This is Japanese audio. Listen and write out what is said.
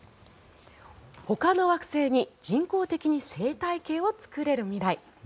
ほかの惑星に人工的に生態系を作れる未来。